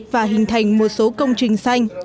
và hình thành một số công trình xanh